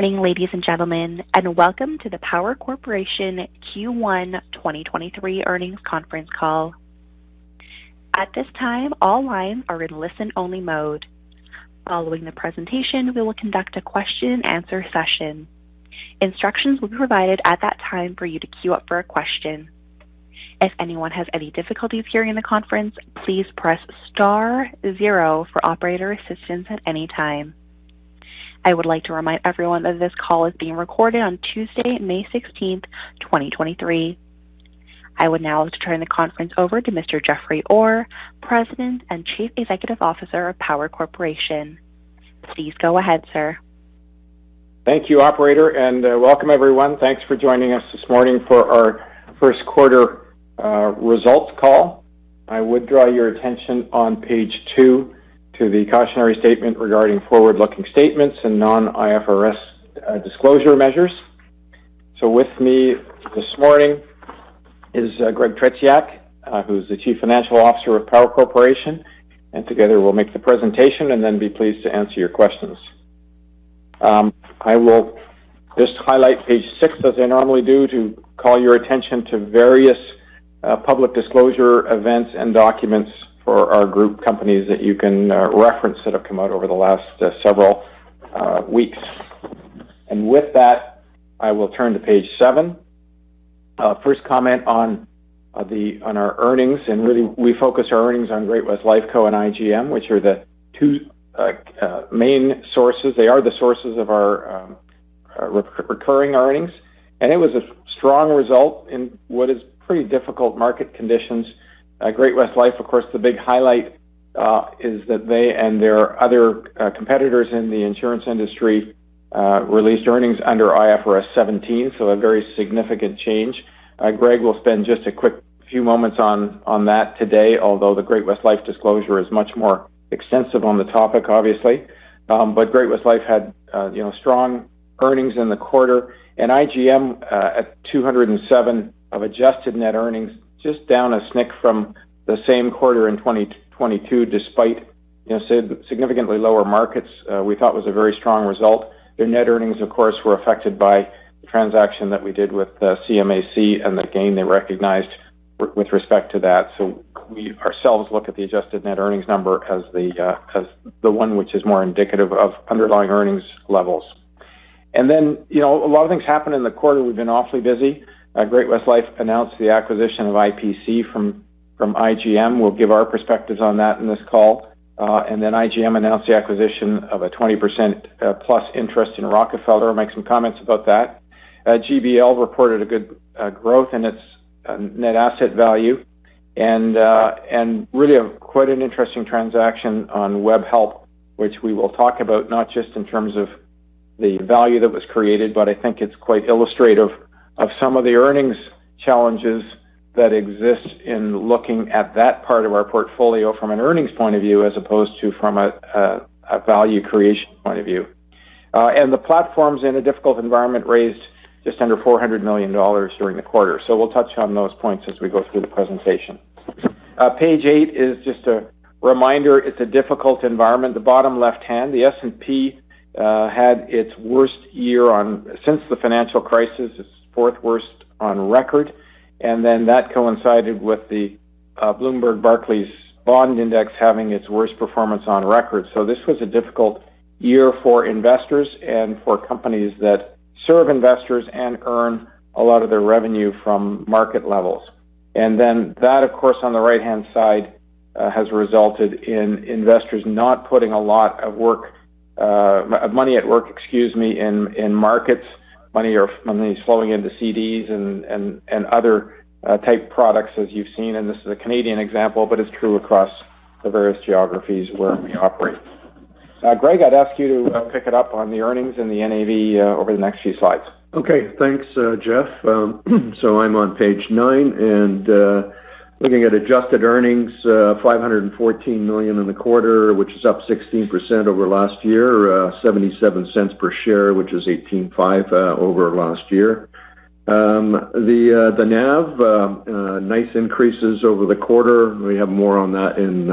Good morning, ladies and gentlemen, and welcome to the Power Corporation Q1 2023 Earnings Conference Call. At this time, all lines are in listen-only mode. Following the presentation, we will conduct a question and answer session. Instructions will be provided at that time for you to queue up for a question. If anyone has any difficulties hearing the conference, please press star zero for operator assistance at any time. I would like to remind everyone that this call is being recorded on Tuesday, May 16th, 2023. I would now like to turn the conference over to Mr. Jeffrey Orr, President and Chief Executive Officer of Power Corporation. Please go ahead, sir. Thank you, operator, welcome everyone. Thanks for joining us this morning for our first quarter results call. I would draw your attention on page two to the cautionary statement regarding forward-looking statements and Non-IFRS disclosure measures. With me this morning is Greg Tretiak, who's the Chief Financial Officer of Power Corporation. Together we'll make the presentation and then be pleased to answer your questions. I will just highlight page six, as I normally do, to call your attention to various public disclosure events and documents for our group companies that you can reference that have come out over the last several weeks. With that, I will turn to page seven. First comment on our earnings, and really we focus our earnings on Great-West Life Co. IGM, which are the two main sources. They are the sources of our recurring earnings. It was a strong result in what is pretty difficult market conditions. Great-West Life, of course, the big highlight, is that they and their other competitors in the insurance industry released earnings under IFRS 17, so a very significant change. Greg will spend just a quick few moments on that today, although the Great-West Life disclosure is much more extensive on the topic, obviously. Great-West Life had, you know, strong earnings in the quarter. IGM, at 207 of adjusted net earnings just down a snick from the same quarter in 2022, despite, you know, significantly lower markets, we thought was a very strong result. Their net earnings, of course, were affected by the transaction that we did with ChinaAMC and the gain they recognized with respect to that. We ourselves look at the adjusted net earnings number as the one which is more indicative of underlying earnings levels. You know, a lot of things happened in the quarter. We've been awfully busy. Great-West Life announced the acquisition of IPC from IGM. We'll give our perspectives on that in this call. IGM announced the acquisition of a 20% plus interest in Rockefeller. Make some comments about that. GBL reported good growth in its net asset value and really quite an interesting transaction on Webhelp, which we will talk about not just in terms of the value that was created, but I think it's quite illustrative of some of the earnings challenges that exist in looking at that part of our portfolio from an earnings point of view, as opposed to from a value creation point of view. The platforms in a difficult environment raised just under 400 million dollars during the quarter. We'll touch on those points as we go through the presentation. Page eight is just a reminder it's a difficult environment. The bottom left hand, the S&P had its worst year since the financial crisis, its fourth worst on record. That coincided with the Bloomberg Barclays Bond Index having its worst performance on record. This was a difficult year for investors and for companies that serve investors and earn a lot of their revenue from market levels. That, of course, on the right-hand side, has resulted in investors not putting a lot of work, money at work, excuse me, in markets. Money is flowing into CDs and other type products as you've seen, and this is a Canadian example, but it's true across the various geographies where we operate. Greg, I'd ask you to pick it up on the earnings and the NAV over the next few slides. Okay. Thanks, Jeff. So I'm on page 9 and looking at adjusted earnings, 514 million in the quarter, which is up 16% over last year, 0.77 per share, which is 18.5% over last year. The NAV, nice increases over the quarter. We have more on that in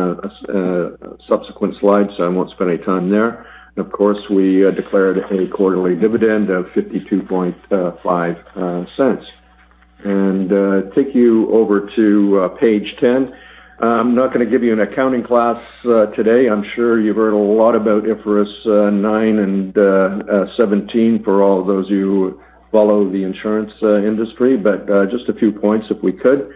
subsequent slides, so I won't spend any time there. Of course, we declared a quarterly dividend of 0.525. Take you over to page 10. I'm not gonna give you an accounting class today. I'm sure you've heard a lot about IFRS 9 and 17 for all those who follow the insurance industry. Just a few points if we could.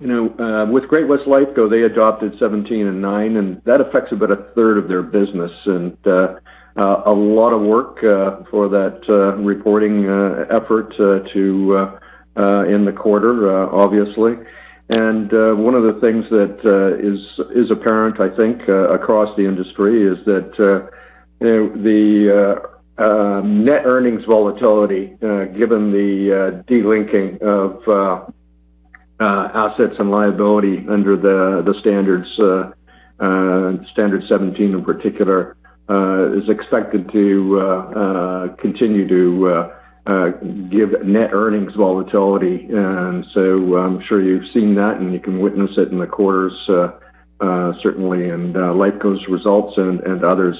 You know, with Great-West Lifeco, they adopted 17 and 9, and that affects about a third of their business, and a lot of work for that reporting effort in the quarter, obviously. One of the things that is apparent, I think, across the industry is that, you know, the net earnings volatility, given the de-linking of assets and liability under the standards, standard 17 in particular, is expected to continue to give net earnings volatility. I'm sure you've seen that and you can witness it in the quarter's, certainly in Lifeco's results and others.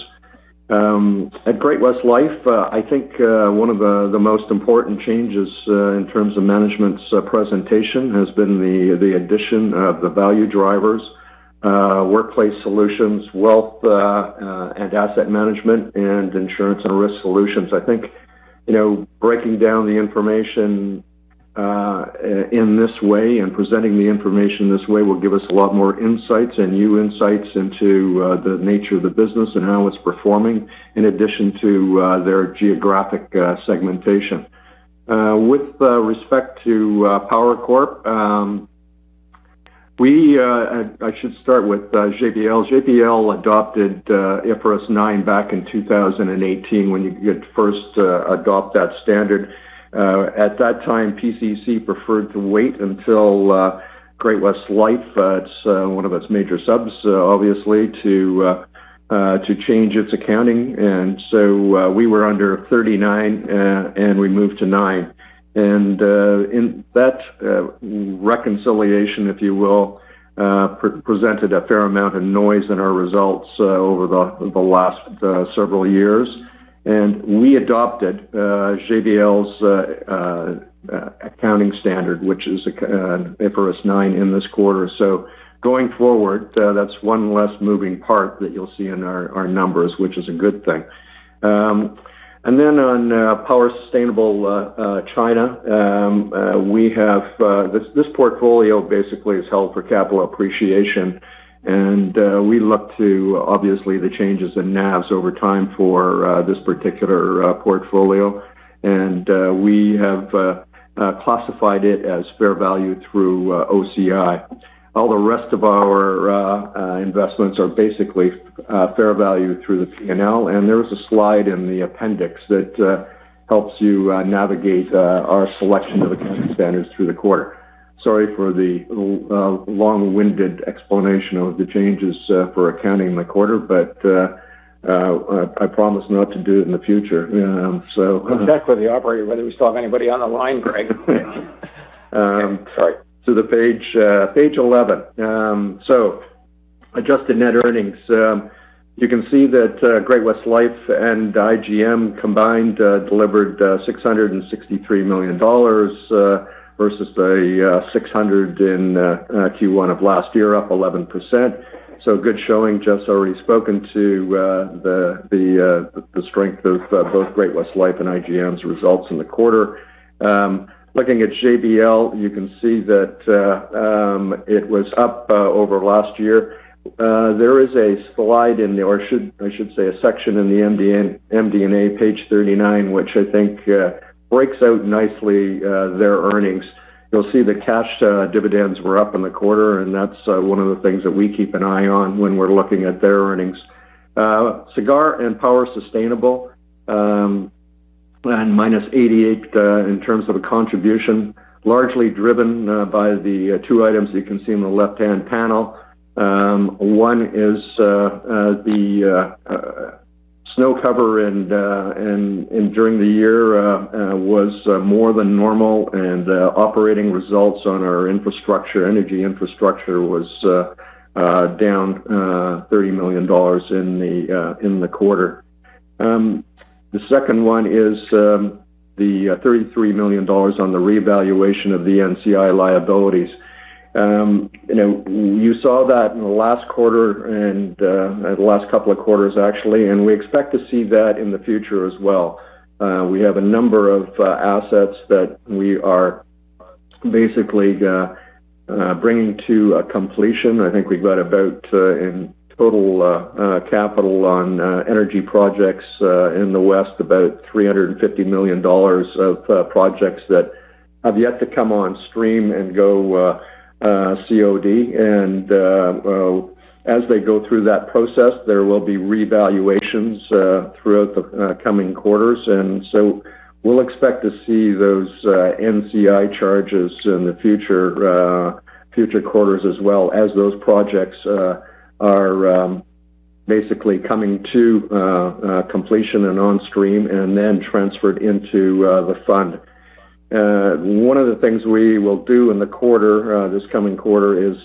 At Great-West Life, I think one of the most important changes in terms of management's presentation has been the addition of the value drivers, workplace solutions, wealth, and asset management and insurance and risk solutions. I think, you know, breaking down the information in this way and presenting the information this way will give us a lot more insights and new insights into the nature of the business and how it's performing in addition to their geographic segmentation. With respect to Power Corp, I should start with GBL. GBL adopted IFRS 9 back in 2018 when you first adopt that standard. At that time, PCC preferred to wait until Great-West Life, it's one of its major subs, obviously, to change its accounting. We were under 39 and we moved to nine. In that reconciliation, if you will, pre-presented a fair amount of noise in our results over the last several years. We adopted GBL's accounting standard, which is IFRS 9 in this quarter. Going forward, that's one less moving part that you'll see in our numbers, which is a good thing. On Power Sustainable China, we have this portfolio basically is held for capital appreciation. We look to obviously the changes in NAVs over time for this particular portfolio. We have classified it as fair value through OCI. All the rest of our investments are basically fair value through the P&L. There was a slide in the appendix that helps you navigate our selection of accounting standards through the quarter. Sorry for the long-winded explanation of the changes for accounting in the quarter, but I promise not to do it in the future. Check with the operator whether we still have anybody on the line, Greg. Sorry. The page 11. Adjusted net earnings. You can see that Great-West Lifeco and IGM combined delivered 663 million dollars versus the 600 million in Q1 of last year, up 11%. Good showing. Jeff's already spoken to the strength of both Great-West Lifeco and IGM's results in the quarter. Looking at GBL, you can see that it was up over last year. There is a slide in there, or I should say a section in the MD&A, page 39, which I think breaks out nicely their earnings. You'll see the cash dividends were up in the quarter, and that's one of the things that we keep an eye on when we're looking at their earnings. Sagard and Power Sustainable, and -88 million in terms of contribution, largely driven by the two items that you can see on the left-hand panel. One is the snow cover and during the year was more than normal and operating results on our infrastructure, energy infrastructure was down 30 million dollars in the quarter. The second one is the 33 million dollars on the revaluation of the NCI liabilities. You know, you saw that in the last quarter and the last couple of quarters actually, and we expect to see that in the future as well. We have a number of assets that we are basically bringing to a completion. I think we've got about, in total, capital on energy projects, in the West, about 350 million dollars of projects that have yet to come on stream and go COD. As they go through that process, there will be revaluations throughout the coming quarters. We'll expect to see those NCI charges in the future quarters as well as those projects are basically coming to completion and on stream and then transferred into the fund. One of the things we will do in the quarter, this coming quarter is,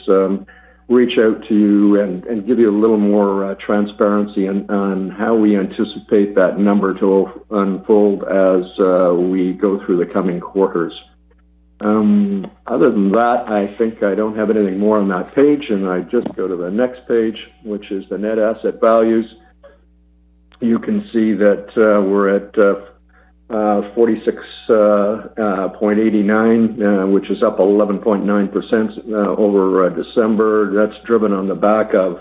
reach out to you and give you a little more transparency on how we anticipate that number to unfold as we go through the coming quarters. Other than that, I think I don't have anything more on that page. I just go to the next page, which is the net asset values. You can see that we're at 46.89, which is up 11.9% over December. That's driven on the back of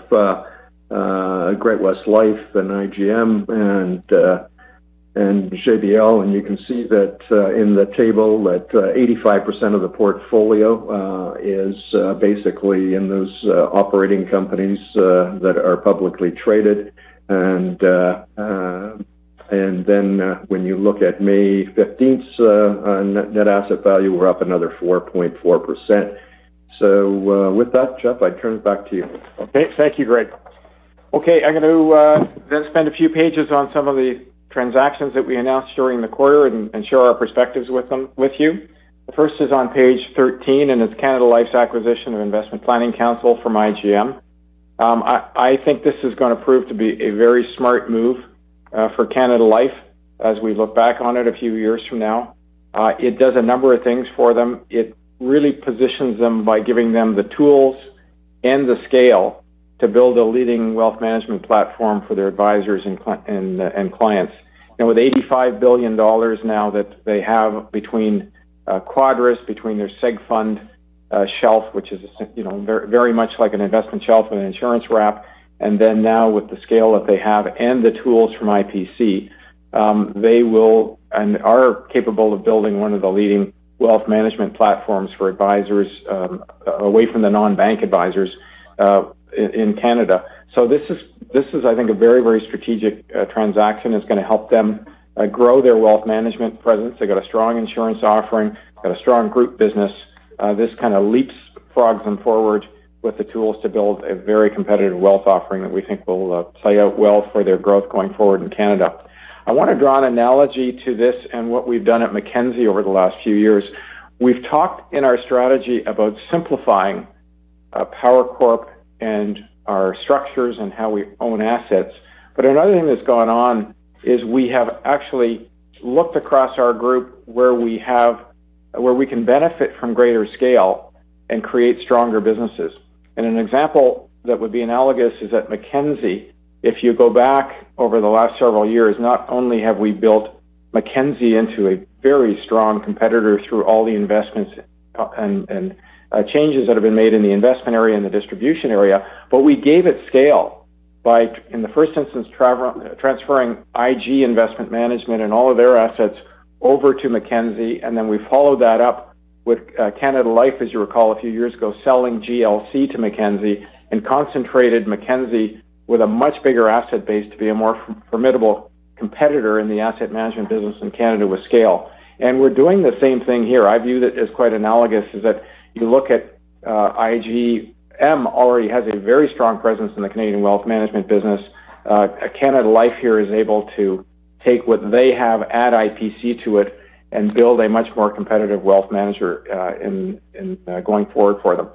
Great-West Life and IGM and GBL. You can see that in the table that 85% of the portfolio is basically in those operating companies that are publicly traded. When you look at May 15th's net asset value, we're up another 4.4%. With that, Jeff, I turn it back to you. Okay. Thank you, Greg. Okay, I'm going to then spend a few pages on some of the transactions that we announced during the quarter and share our perspectives with them, with you. The first is on page 13, and it's Canada Life's acquisition of Investment Planning Counsel from IGM. I think this is gonna prove to be a very smart move for Canada Life as we look back on it a few years from now. It does a number of things for them. It really positions them by giving them the tools and the scale to build a leading wealth management platform for their advisors and clients. Now, with 85 billion dollars now that they have between Quadrus, between their seg fund shelf, which is a you know, very much like an investment shelf and an insurance wrap, and then now with the scale that they have and the tools from IPC, they will and are capable of building one of the leading wealth management platforms for advisors, away from the non-bank advisors, in Canada. This is, I think, a very, very strategic transaction that's gonna help them grow their wealth management presence. They've got a strong insurance offering. Got a strong group business. This kind of leapfrogs them forward with the tools to build a very competitive wealth offering that we think will play out well for their growth going forward in Canada. I want to draw an analogy to this and what we've done at Mackenzie over the last few years. We've talked in our strategy about simplifying Power Corp and our structures and how we own assets. Another thing that's gone on is we have actually looked across our group where we can benefit from greater scale and create stronger businesses. An example that would be analogous is at Mackenzie, if you go back over the last several years, not only have we built Mackenzie into a very strong competitor through all the investments and changes that have been made in the investment area and the distribution area, but we gave it scale by, in the first instance, transferring IG Investment Management and all of their assets over to Mackenzie. Then we followed that up with Canada Life, as you recall, a few years ago, selling GLC to Mackenzie and concentrated Mackenzie with a much bigger asset base to be a more formidable competitor in the asset management business in Canada with scale. We're doing the same thing here. I view it as quite analogous is that you look at IGM already has a very strong presence in the Canadian wealth management business. Canada Life here is able to take what they have, add IPC to it, and build a much more competitive wealth manager in going forward for them.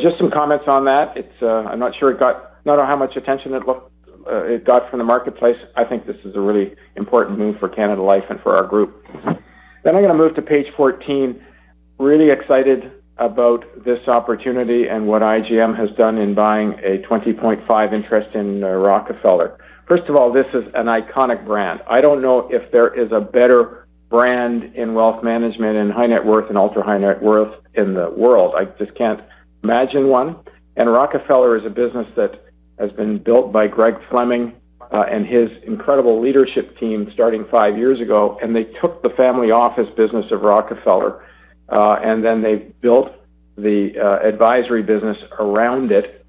Just some comments on that. It's, I'm not sure it got. I don't know how much attention it looked it got from the marketplace. I think this is a really important move for Canada Life and for our group. I'm gonna move to page 14. Really excited about this opportunity and what IGM has done in buying a 20.5 interest in Rockefeller. First of all, this is an iconic brand. I don't know if there is a better brand in wealth management and high net worth and ultra-high net worth in the world. I just can't imagine one. Rockefeller is a business that has been built by Greg Fleming and his incredible leadership team starting five years ago. They took the family office business of Rockefeller, and then they built the advisory business around it.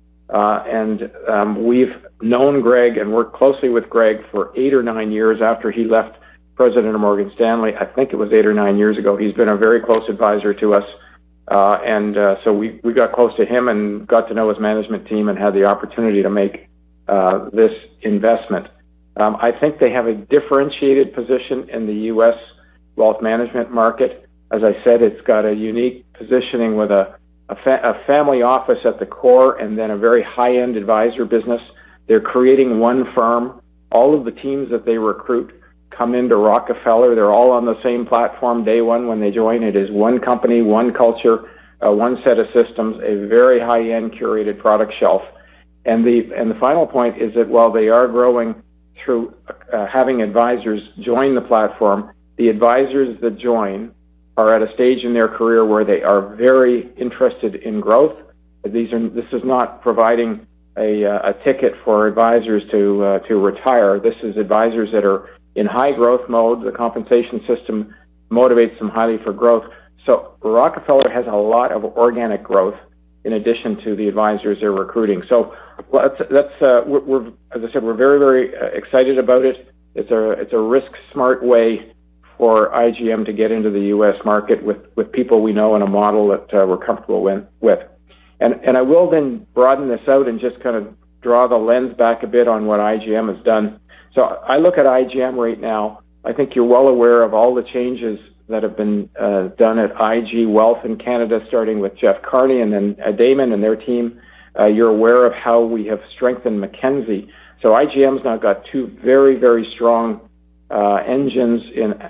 We've known Greg and worked closely with Greg for eight or nine years after he left president of Morgan Stanley, I think it was eight or nine years ago. He's been a very close advisor to us. We got close to him and got to know his management team and had the opportunity to make this investment. I think they have a differentiated position in the U.S. wealth management market. As I said, it's got a unique positioning with a family office at the core and then a very high-end advisor business. They're creating one firm. All of the teams that they recruit come into Rockefeller. They're all on the same platform day one when they join. It is one company, one culture, one set of systems, a very high-end curated product shelf. The final point is that while they are growing through having advisors join the platform, the advisors that join are at a stage in their career where they are very interested in growth. This is not providing a ticket for advisors to retire. This is advisors that are in high growth mode. The compensation system motivates them highly for growth. Rockefeller has a lot of organic growth in addition to the advisors they're recruiting. Let's, as I said, we're very excited about it. It's a risk-smart way for IGM to get into the U.S. market with people we know and a model that we're comfortable with. I will then broaden this out and just kind of draw the lens back a bit on what IGM has done. I look at IGM right now. I think you're well aware of all the changes that have been done at IG Wealth in Canada, starting with Jeff Kearney and then Damon and their team. You're aware of how we have strengthened Mackenzie. IGM's now got two very, very strong engines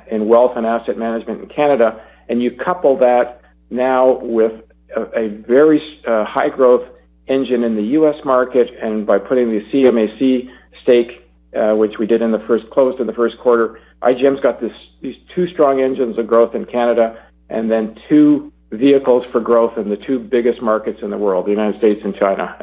in wealth and asset management in Canada. You couple that now with a very high growth engine in the U.S. market and by putting the ChinaAMC stake, which we did in the first close, in the first quarter. IGM's got these two strong engines of growth in Canada and then two vehicles for growth in the two biggest markets in the world, the United States and China.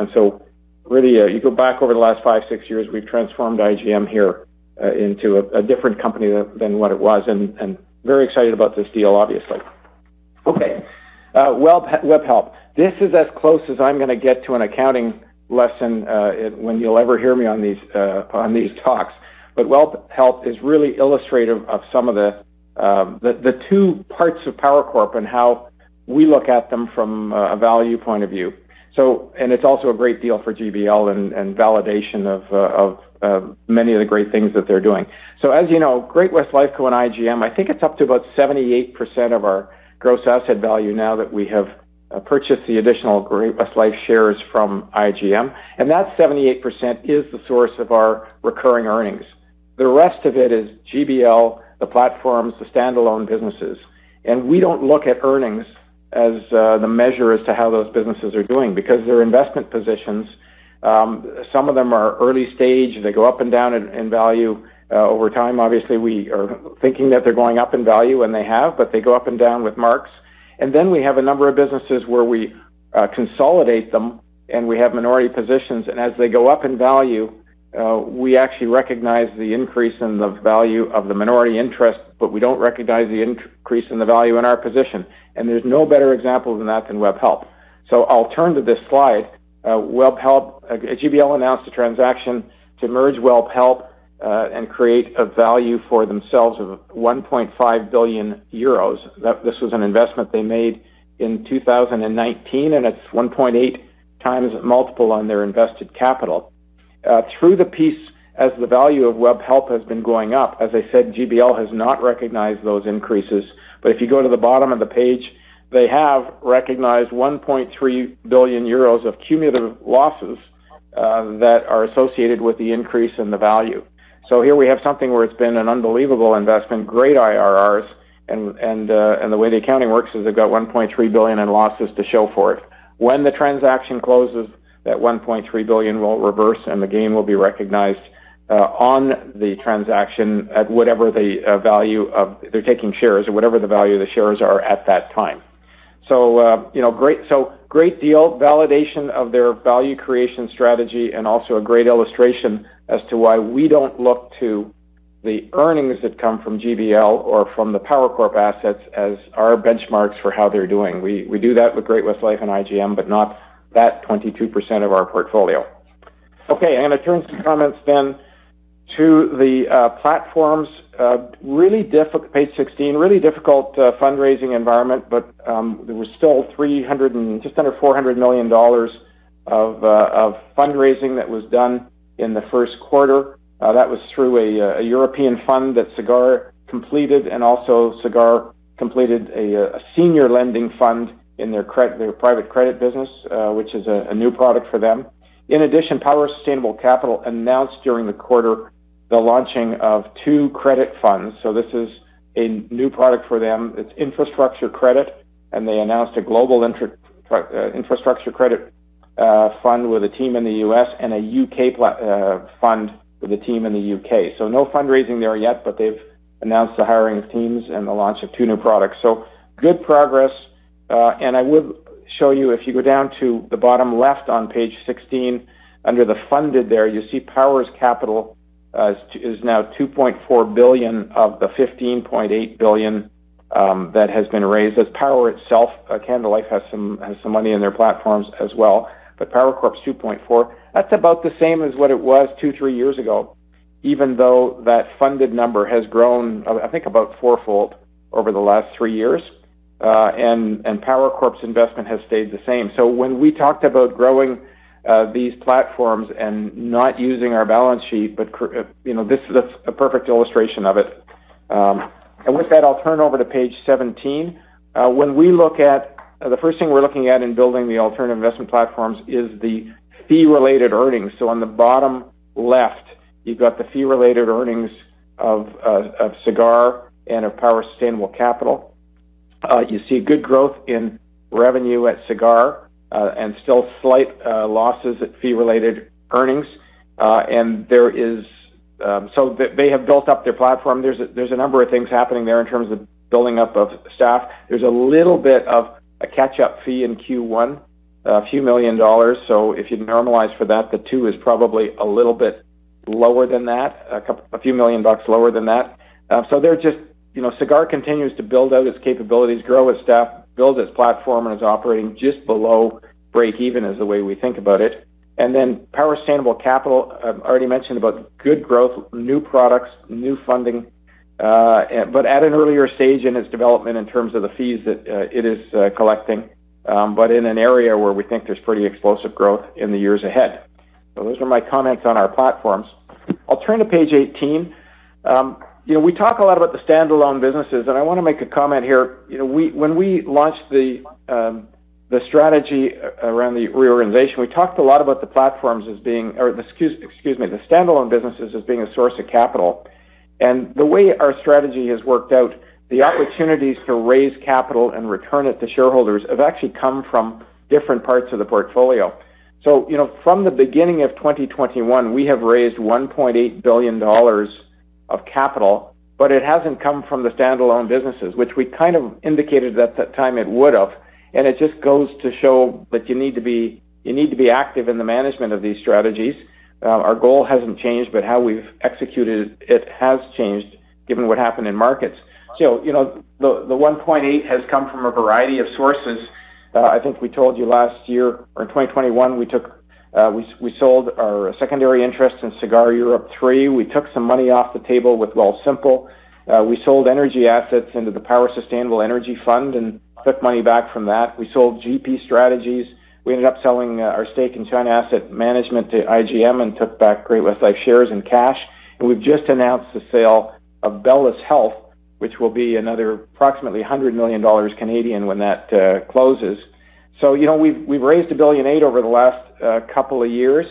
Really, you go back over the last five, six years, we've transformed IGM here, into a different company than what it was, and very excited about this deal, obviously. Okay. Wealth, Webhelp. This is as close as I'm gonna get to an accounting lesson, when you'll ever hear me on these, on these talks. Webhelp is really illustrative of some of the two parts of Power Corp and howWe look at them from a value point of view. And it's also a great deal for GBL and validation of many of the great things that they're doing. As you know, Great-West Lifeco. IGM, I think it's up to about 78% of our gross asset value now that we have purchased the additional Great-West Lifeco shares from IGM. That 78% is the source of our recurring earnings. The rest of it is GBL, the platforms, the stand-alone businesses. We don't look at earnings as the measure as to how those businesses are doing because they're investment positions. Some of them are early stage, they go up and down in value over time. Obviously, we are thinking that they're going up in value, and they have, but they go up and down with marks. We have a number of businesses where we consolidate them, and we have minority positions. As they go up in value, we actually recognize the increase in the value of the minority interest, but we don't recognize the increase in the value in our position. I'll turn to this slide. GBL announced a transaction to merge Webhelp and create a value for themselves of 1.5 billion euros. This was an investment they made in 2019, and it's 1.8x multiple on their invested capital. Through the piece, as the value of Webhelp has been going up, as I said, GBL has not recognized those increases. If you go to the bottom of the page, they have recognized 1.3 billion euros of cumulative losses that are associated with the increase in the value. Here we have something where it's been an unbelievable investment, great IRRs, and the way the accounting works is they've got $1.3 billion in losses to show for it. When the transaction closes, that $1.3 billion will reverse, and the gain will be recognized on the transaction at whatever the value of the shares are at that time. You know, great deal, validation of their value creation strategy, and also a great illustration as to why we don't look to the earnings that come from GBL or from the Power Corp assets as our benchmarks for how they're doing. We do that with Great-West Life and IGM, but not that 22% of our portfolio. I'm going to turn some comments to the platforms. really page sixteen, really difficult fundraising environment, but there was still 300 million just under 400 million dollars of fundraising that was done in the first quarter. That was through a European fund that Sagard completed, and also Sagard completed a senior lending fund in their private credit business, which is a new product for them. In addition, Power Sustainable Capital announced during the quarter the launching of two credit funds. This is a new product for them. It's infrastructure credit, and they announced a global infrastructure credit fund with a team in the U.S. and a U.K. fund with a team in the U.K.. No fundraising there yet, but they've announced the hiring of teams and the launch of two new products. Good progress. I would show you, if you go down to the bottom left on page 16, under the Funded there, you see Power's capital is now 2.4 billion of the 15.8 billion that has been raised. That's Power itself. Canada Life has money in their platforms as well, but Power Corp's 2.4. That's about the same as what it was two, three years ago, even though that funded number has grown, I think, about four-fold over the last three years. Power Corp's investment has stayed the same. When we talked about growing these platforms and not using our balance sheet, but you know, this is a perfect illustration of it. With that, I'll turn over to page 17. When we look at the first thing we're looking at in building the alternative investment platforms is the fee-related earnings. On the bottom left, you've got the fee-related earnings of Sagard and of Power Sustainable Capital. You see good growth in revenue at Sagard and still slight losses at fee-related earnings. There is. So they have built up their platform. There's a number of things happening there in terms of building up of staff. There's a little bit of a catch-up fee in Q1, a few million dollars. If you normalize for that, the 2 is probably a little bit lower than that, a few million bucks lower than that. They're just... You know, Sagard continues to build out its capabilities, grow its staff, build its platform, It's operating just below breakeven is the way we think about it. Power Sustainable Capital, I've already mentioned about good growth, new products, new funding, but at an earlier stage in its development in terms of the fees that it is collecting, but in an area where we think there's pretty explosive growth in the years ahead. Those are my comments on our platforms. I'll turn to page 18. You know, we talk a lot about the standalone businesses, I wanna make a comment here. You know, when we launched the strategy around the reorganization, we talked a lot about the platforms as being, or excuse me, the standalone businesses as being a source of capital. The way our strategy has worked out, the opportunities to raise capital and return it to shareholders have actually come from different parts of the portfolio. You know, from the beginning of 2021, we have raised 1.8 billion dollars of capital, but it hasn't come from the standalone businesses, which we kind of indicated at that time it would have. It just goes to show that you need to be active in the management of these strategies. Our goal hasn't changed, but how we've executed it has changed given what happened in markets. You know, the 1.8 has come from a variety of sources. I think we told you last year or 2021, we took, we sold our secondary interest in Sagard Europe 3. We took some money off the table with Wealthsimple. We sold energy assets into the Power Sustainable Energy Fund and took money back from that. We sold GP Strategies. We ended up selling our stake in China Asset Management to IGM and took back Great-West Lifeco shares and cash. We've just announced the sale of Bellus Health, which will be another approximately 100 million Canadian dollars when that closes. You know, we've raised 1.8 billion over the last couple of years.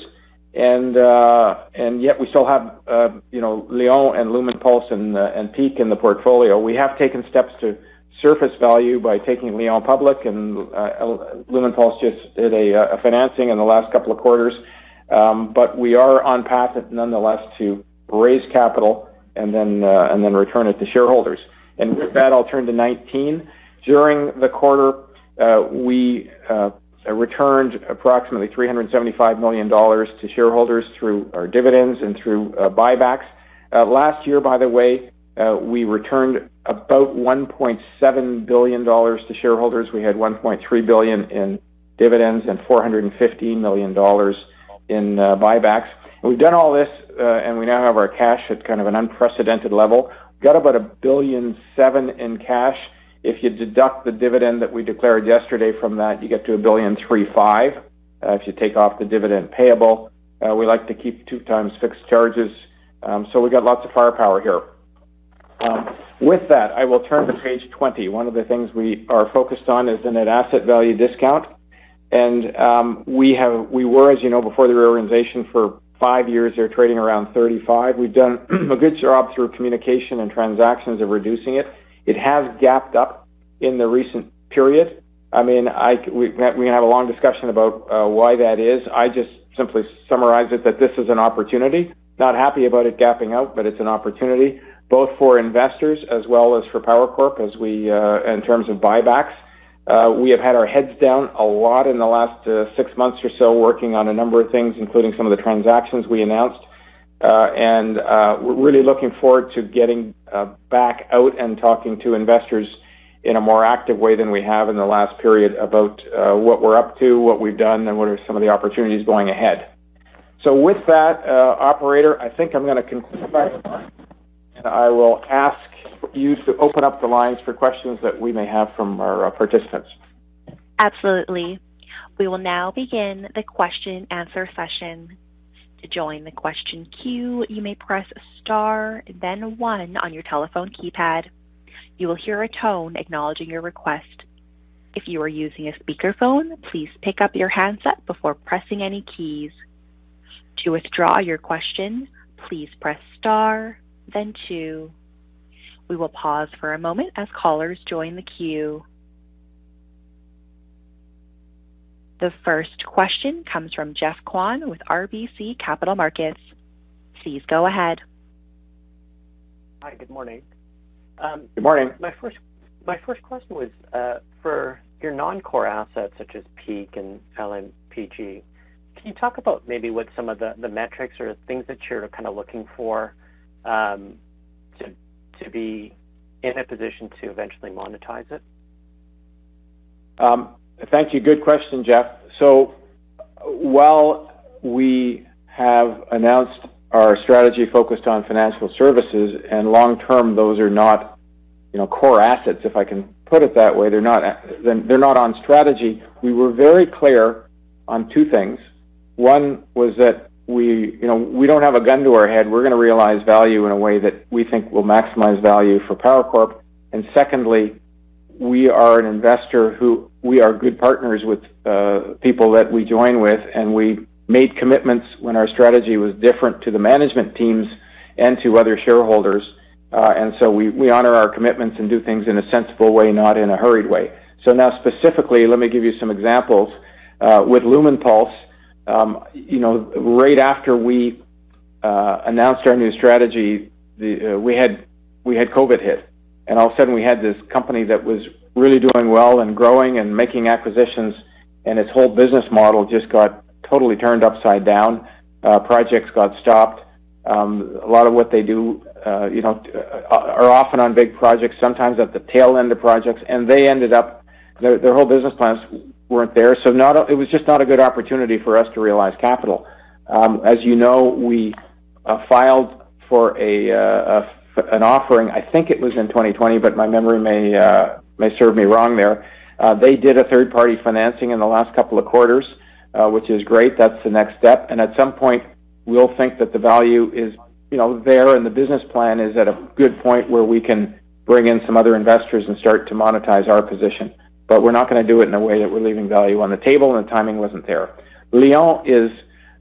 Yet we still have, you know, Lion and Lumenpulse and Peak in the portfolio. We have taken steps to surface value by taking Lion public and Lumenpulse just did a financing in the last couple of quarters. We are on path nonetheless to raise capital and then return it to shareholders. With that, I'll turn to 19. During the quarter, we returned approximately 375 million dollars to shareholders through our dividends and through buybacks. Last year, by the way, we returned about 1.7 billion dollars to shareholders. We had 1.3 billion in dividends and 450 million dollars in buybacks. We've done all this, we now have our cash at kind of an unprecedented level. Got about 1.7 billion in cash. If you deduct the dividend that we declared yesterday from that, you get to 1.35 billion if you take off the dividend payable. We like to keep two times fixed charges, so we got lots of firepower here. With that, I will turn to page 20. One of the things we are focused on is a net asset value discount. We were, as you know, before the reorganization for five years, they were trading around 35. We've done a good job through communication and transactions of reducing it. It has gapped up in the recent period. I mean, we can have a long discussion about why that is. I just simply summarize it that this is an opportunity. Not happy about it gapping out, but it's an opportunity both for investors as well as for PowerCorp as we, in terms of buybacks. We have had our heads down a lot in the last six months or so working on a number of things, including some of the transactions we announced. We're really looking forward to getting back out and talking to investors in a more active way than we have in the last period about what we're up to, what we've done, and what are some of the opportunities going ahead. With that, operator, I think I will ask you to open up the lines for questions that we may have from our participants. Absolutely. We will now begin the question and answer session. To join the question queue, you may press Star, then One on your telephone keypad. You will hear a tone acknowledging your request. If you are using a speakerphone, please pick up your handset before pressing any keys. To withdraw your question, please press Star then Two. We will pause for a moment as callers join the queue. The first question comes from Geoffrey Kwan with RBC Capital Markets. Please go ahead. Hi. Good morning. Good morning. My first question was for your non-core assets such as Peak and LMPG. Can you talk about maybe what some of the metrics or things that you're kind of looking for to be in a position to eventually monetize it? Thank you. Good question, Jeff. While we have announced our strategy focused on financial services, and long term, those are not, you know, core assets, if I can put it that way. They're not on strategy. We were very clear on two things. One was that we, you know, we don't have a gun to our head. We're going to realize value in a way that we think will maximize value for PowerCorp. Secondly, we are an investor, we are good partners with people that we join with, and we made commitments when our strategy was different to the management teams and to other shareholders. We honor our commitments and do things in a sensible way, not in a hurried way. Now specifically, let me give you some examples. With Lumenpulse, you know, right after we announced our new strategy, the COVID hit. All of a sudden we had this company that was really doing well and growing and making acquisitions, and its whole business model just got totally turned upside down. Projects got stopped. A lot of what they do, you know, are often on big projects, sometimes at the tail end of projects. They ended up, their whole business plans weren't there. It was just not a good opportunity for us to realize capital. As you know, we filed for an offering, I think it was in 2020, but my memory may serve me wrong there. They did a third-party financing in the last couple of quarters, which is great. That's the next step. At some point, we'll think that the value is, you know, there and the business plan is at a good point where we can bring in some other investors and start to monetize our position. We're not going to do it in a way that we're leaving value on the table, and the timing wasn't there. Lion is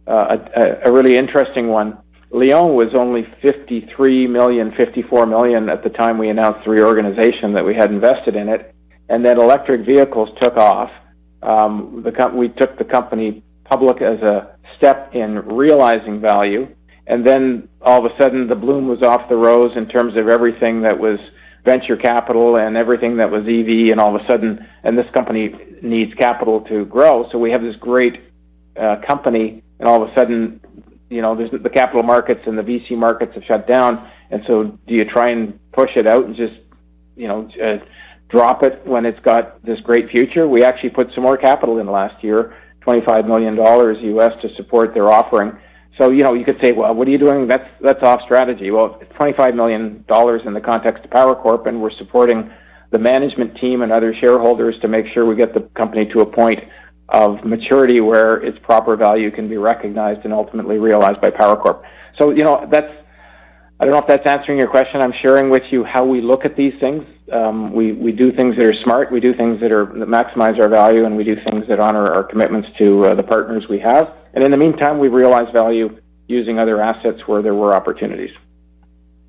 a really interesting one. Lion was only 53 million, 54 million at the time we announced reorganization that we had invested in it. Then electric vehicles took off. We took the company public as a step in realizing value. All of a sudden, the bloom was off the rose in terms of everything that was venture capital and everything that was EV, all of a sudden, this company needs capital to grow. We have this great company and all of a sudden, you know, there's the capital markets and the VC markets have shut down. Do you try and push it out and just, you know, drop it when it's got this great future? We actually put some more capital in the last year, $25 million U.S. to support their offering. You know, you could say, "Well, what are you doing? That's off strategy." Well, it's 25 million dollars in the context of PowerCorp, and we're supporting the management team and other shareholders to make sure we get the company to a point of maturity where its proper value can be recognized and ultimately realized by PowerCorp. You know, I don't know if that's answering your question. I'm sharing with you how we look at these things. We do things that are smart. We do things that maximize our value, and we do things that honor our commitments to the partners we have. In the meantime, we realize value using other assets where there were opportunities.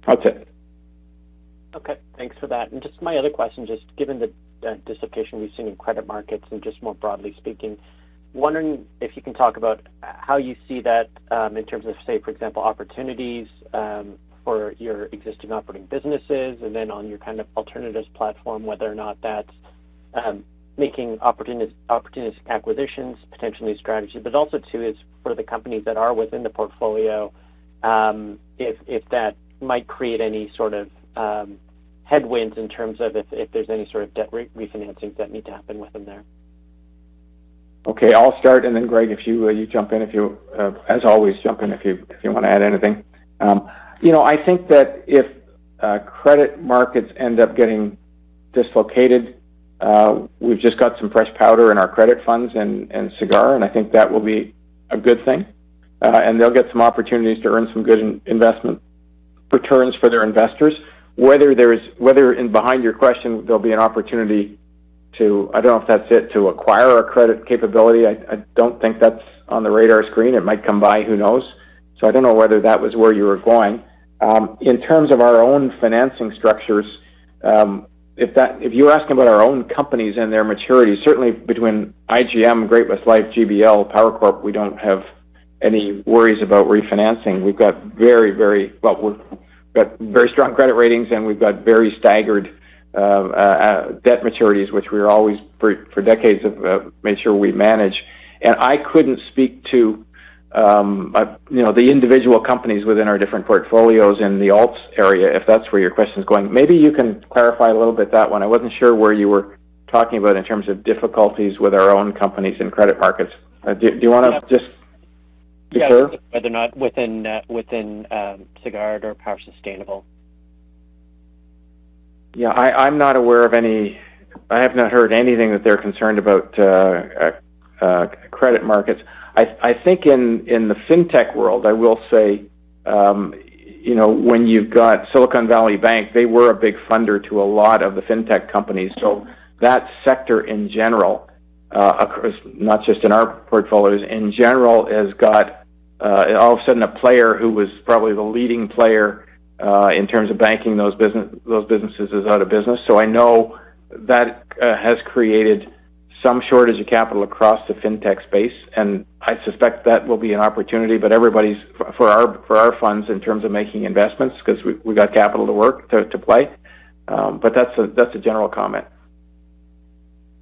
That's it. Okay, thanks for that. Just my other question, just given the dislocation we've seen in credit markets and just more broadly speaking, wondering if you can talk about how you see that in terms of, say, for example, opportunities for your existing operating businesses and then on your kind of alternatives platform, whether or not that's making opportunistic acquisitions, potentially strategy. Also too is for the companies that are within the portfolio, if that might create any sort of headwinds in terms of if there's any sort of debt refinancing that need to happen with them there. Okay. I'll start, and then Greg, if you jump in as always, jump in if you, if you wanna add anything. You know, I think that if credit markets end up getting dislocated, we've just got some fresh powder in our credit funds and Sagard, and I think that will be a good thing. They'll get some opportunities to earn some good in-investment returns for their investors. Whether in behind your question, there'll be an opportunity to... I don't know if that's it, to acquire a credit capability. I don't think that's on the radar screen. It might come by, who knows? I don't know whether that was where you were going. In terms of our own financing structures, if you're asking about our own companies and their maturity, certainly between IGM, Great-West Life, GBL, PowerCorp, we don't have any worries about refinancing. We've got very strong credit ratings, and we've got very staggered debt maturities, which we're always for decades have made sure we manage. I couldn't speak to, you know, the individual companies within our different portfolios in the alts area, if that's where your question's going. Maybe you can clarify a little bit that one. I wasn't sure where you were talking about in terms of difficulties with our own companies in credit markets. Do you wanna just be clear? Yeah. Whether or not within Sagard or Power Sustainable. I'm not aware of any. I have not heard anything that they're concerned about credit markets. I think in the fintech world, I will say, you know, when you've got Silicon Valley Bank, they were a big funder to a lot of the fintech companies. That sector in general, of course, not just in our portfolios, in general, has got all of a sudden a player who was probably the leading player in terms of banking those businesses is out of business. I know that has created some shortage of capital across the fintech space, and I suspect that will be an opportunity. Everybody's for our funds in terms of making investments because we got capital to work, to play. That's a general comment.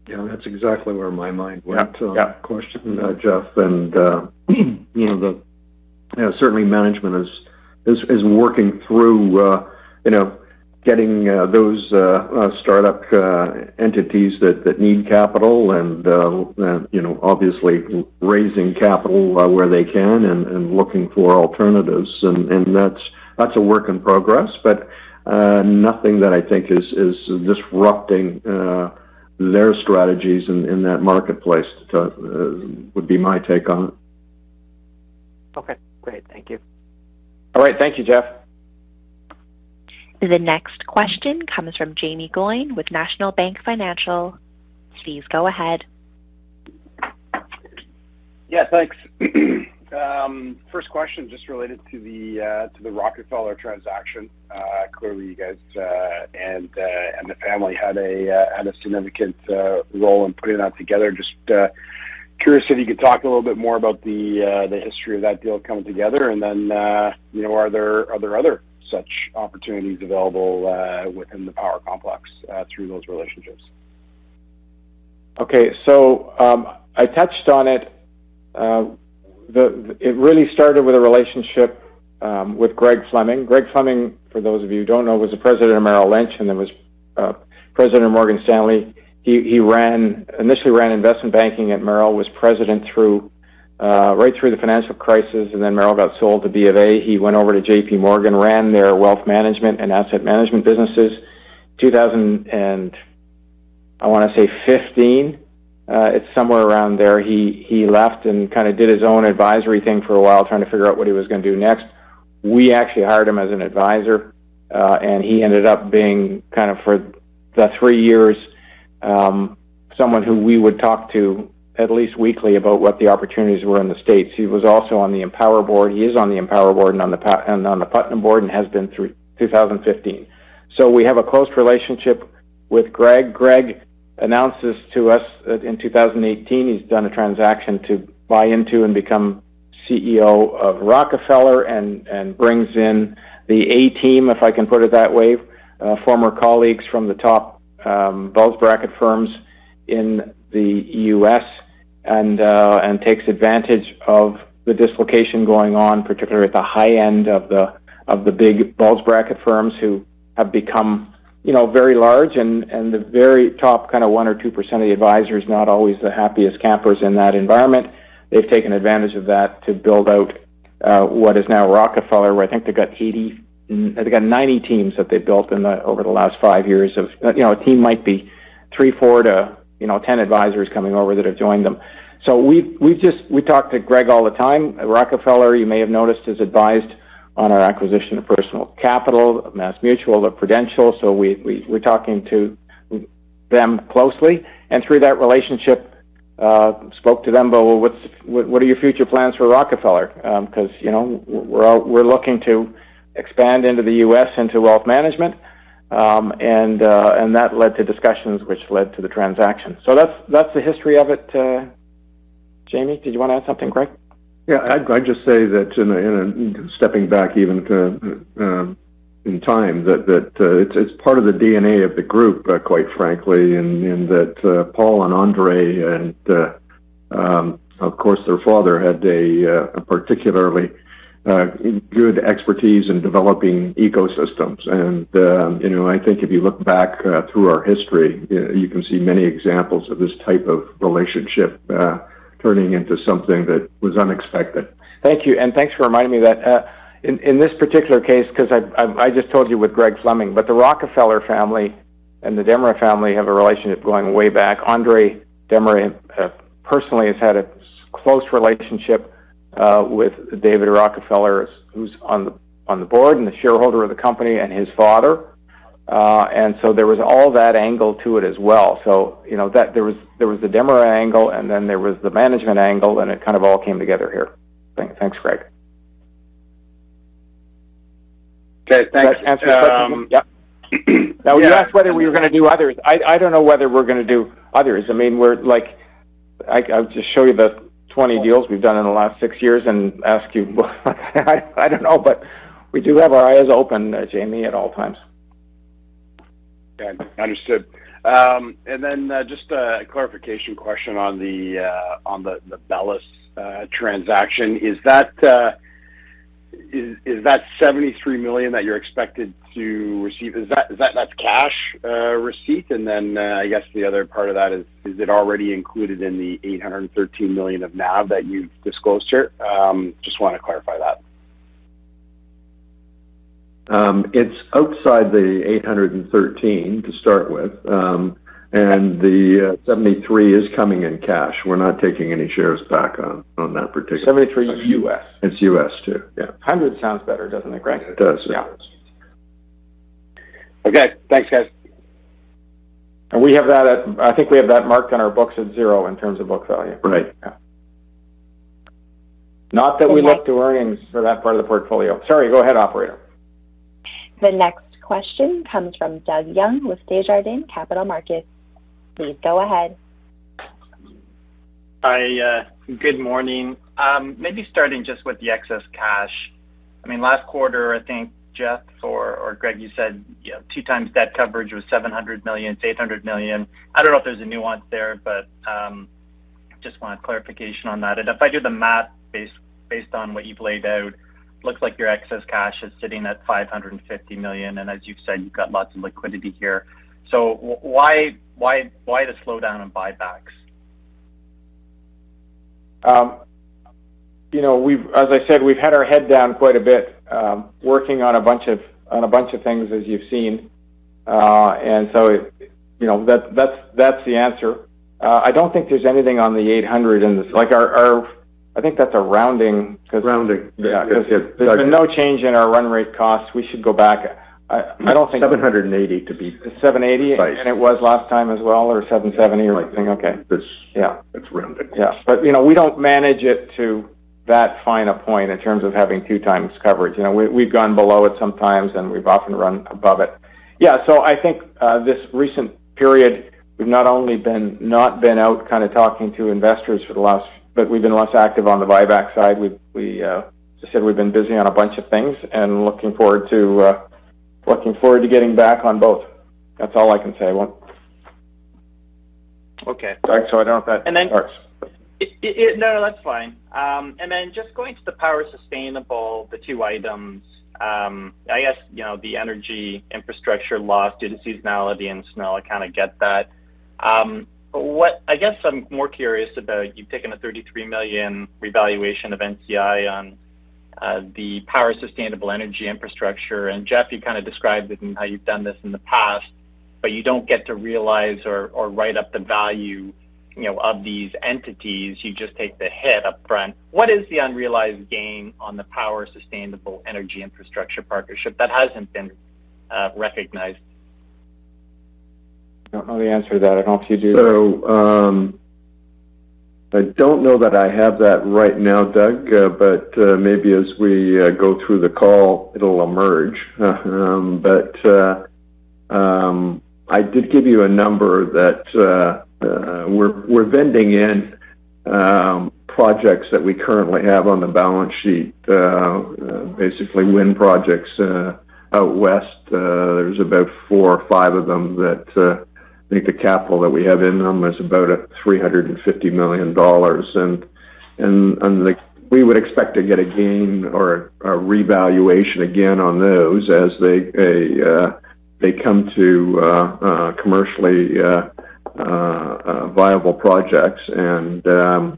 Yeah, that's exactly where my mind went. Yeah. To that question, Jeff. You know, certainly management is working through, you know, getting those startup entities that need capital and, you know, obviously raising capital where they can and looking for alternatives. That's a work in progress, but nothing that I think is disrupting their strategies in that marketplace would be my take on it. Okay, great. Thank you. All right. Thank you, Jeff. The next question comes from Jaeme Gloyn with National Bank Financial. Please go ahead. Thanks. First question just related to the Rockefeller transaction. Clearly you guys and the family had a significant role in putting that together. Just curious if you could talk a little bit more about the history of that deal coming together. You know, are there other such opportunities available within the Power Corp blocks through those relationships? Okay. I touched on it. It really started with a relationship with Greg Fleming. Greg Fleming, for those of you who don't know, was the president of Merrill Lynch, was president of Morgan Stanley. He initially ran investment banking at Merrill, was president through right through the financial crisis, Merrill got sold to BofA. He went over to JPMorgan, ran their wealth management and asset management businesses. 2000 and, I want to say 15, it's somewhere around there, he left and kind of did his own advisory thing for a while, trying to figure out what he was going to do next. We actually hired him as an advisor, and he ended up being kinda for the three years, someone who we would talk to at least weekly about what the opportunities were in the States. He was also on the Empower board. He is on the Empower board and on the Putnam board and has been through 2015. We have a close relationship with Greg. Greg announces to us that in 2018, he's done a transaction to buy into and become CEO of Rockefeller and brings in the A team, if I can put it that way. Former colleagues from the top balls bracket firms in the U.S. takes advantage of the dislocation going on, particularly at the high end of the big balls bracket firms who have become, you know, very large and the very top kind of 1% or 2% of the advisors, not always the happiest campers in that environment. They've taken advantage of that to build out what is now Rockefeller, where I think they've got 90 teams that they've built over the last five years of. You know, a team might be three, four to, you know, 10 advisors coming over that have joined them. We talked to Greg all the time. Rockefeller, you may have noticed, has advised on our acquisition of Personal Capital, MassMutual, or Prudential. We're talking to them closely. Through that relationship, spoke to them about what are your future plans for Rockefeller? 'Cause, you know, we're looking to expand into the U.S. into wealth management. That led to discussions which led to the transaction. That's the history of it. Jaeme, did you wanna add something? Greg? Yeah. I'd just say that in a stepping back even to in time that it's part of the DNA of the group, quite frankly, in that Paul and André and of course, their father had a particularly good expertise in developing ecosystems. You know, I think if you look back through our history, you can see many examples of this type of relationship turning into something that was unexpected. Thank you. Thanks for reminding me that. In this particular case, 'cause I just told you with Greg Fleming, but the Rockefeller family and the Desmarais family have a relationship going way back. André Desmarais personally has had a close relationship with David Rockefeller, who's on the board, and the shareholder of the company and his father. There was all that angle to it as well. You know, that there was the Desmarais angle, and then there was the management angle, and it kind of all came together here. Thanks, Greg. Okay, thanks. Does that answer your question? Yep. Yeah. You asked whether we were gonna do others. I don't know whether we're gonna do others. I mean, we're like... I'll just show you the 20 deals we've done in the last six years and ask you. I don't know, but we do have our eyes open, Jamie, at all times. Yeah, understood. Then, just a clarification question on the BELLUS transaction. Is that 73 million that you're expected to receive? Is that that's cash receipt? Then, I guess the other part of that is it already included in the 813 million of NAV that you've disclosed here? Just wanna clarify that. It's outside the 813 to start with. The 73 is coming in cash. We're not taking any shares back on that. $73? It's U.S., too. Yeah. 100 sounds better, doesn't it, Greg? It does. Yeah. Okay. Thanks, guys. We have that I think we have that marked on our books at zero in terms of book value. Right. Yeah. Not that we look to earnings for that part of the portfolio. Sorry, go ahead, operator. The next question comes from Doug Young with Desjardins Capital Markets. Please go ahead. Hi. Good morning. Maybe starting just with the excess cash. I mean, last quarter, I think Jeff or Greg, you said, you know, two times debt coverage was 700 million, it's 800 million. I don't know if there's a nuance there, but, just want clarification on that. If I do the math based on what you've laid out, looks like your excess cash is sitting at 550 million, and as you've said, you've got lots of liquidity here. Why the slowdown in buybacks? You know, we've as I said, we've had our head down quite a bit, working on a bunch of things as you've seen. You know, that's the answer. I don't think there's anything on the 800 in the. Like, our, I think that's a rounding. Rounding. Yeah. There's been no change in our run rate costs. We should go back. I don't think-. Seven hundred and eighty to be- 780? Right. It was last time as well, or 770 or something? Yeah. Okay. It's- Yeah. It's rounded. Yeah. You know, we don't manage it to that finer point in terms of having two times coverage. You know, we've gone below it sometimes, and we've often run above it. Yeah. I think this recent period, we've not only been out kinda talking to investors for the last... We've been less active on the buyback side. We, as I said we've been busy on a bunch of things and looking forward to getting back on both. That's all I can say. What? Okay. Sorry. I don't know if that works. No, that's fine. Just going to the Power Sustainable, the two items, I guess, you know, the energy infrastructure loss due to seasonality and snow, I kinda get that. What I guess I'm more curious about, you've taken a 33 million revaluation of NCI on the Power Sustainable Energy Infrastructure. Jeff, you kinda described it in how you've done this in the past, but you don't get to realize or write up the value, you know, of these entities. You just take the hit up front. What is the unrealized gain on the Power Sustainable Energy Infrastructure Partnership that hasn't been recognized? I don't know the answer to that. I don't know if you do. I don't know that I have that right now, Doug, but maybe as we go through the call, it'll emerge. I did give you a number that we're vending in projects that we currently have on the balance sheet. Basically wind projects out west. There's about four or five of them that I think the capital that we have in them is about 350 million dollars. We would expect to get a gain or a revaluation again on those as they come to commercially viable projects. So